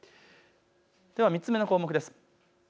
では３つ目の項目です。